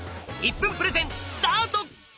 １分プレゼンスタート！